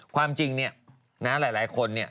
ความจริงเนี่ยนะหลายคนเนี่ย